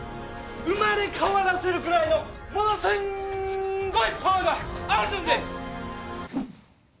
生まれ変わらせるくらいのすんごいパワーがあるのです！